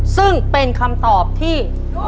ซึ่งเป็นคำตอบที่